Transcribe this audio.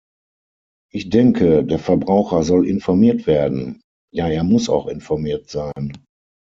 Ich denke, der Verbraucher soll informiert werden, ja er muss auch informiert sein.